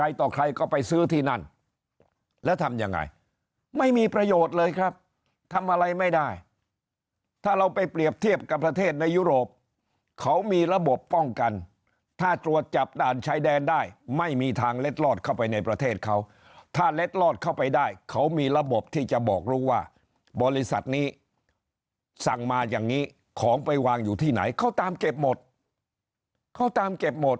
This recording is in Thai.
ต่อใครก็ไปซื้อที่นั่นแล้วทำยังไงไม่มีประโยชน์เลยครับทำอะไรไม่ได้ถ้าเราไปเปรียบเทียบกับประเทศในยุโรปเขามีระบบป้องกันถ้าตรวจจับด่านชายแดนได้ไม่มีทางเล็ดลอดเข้าไปในประเทศเขาถ้าเล็ดลอดเข้าไปได้เขามีระบบที่จะบอกรู้ว่าบริษัทนี้สั่งมาอย่างนี้ของไปวางอยู่ที่ไหนเขาตามเก็บหมดเขาตามเก็บหมด